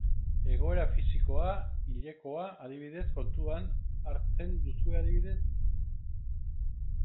Egoera fisikoa, hilekoa, adibidez, kontuan hartzen duzue adibidez?